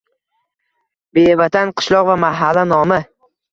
Bevatan – qishloq va mahalla nomi.